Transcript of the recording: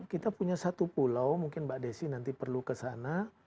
kita punya satu pulau mungkin mbak desi nanti perlu kesana